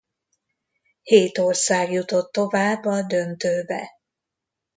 Hét ország jutott tovább a döntőbe.